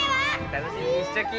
楽しみにしちょき！